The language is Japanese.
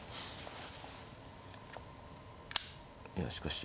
いやしかし。